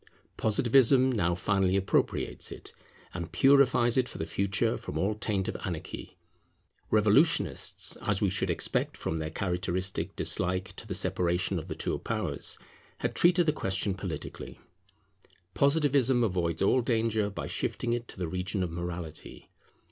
Positivism now finally appropriates it, and purifies it for the future from all taint of anarchy. Revolutionists, as we should expect from their characteristic dislike to the separation of the two powers, had treated the question politically. Positivism avoids all danger by shifting it to the region of morality.